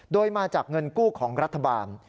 โดยมาจากเงินกู้ของรัฐบาล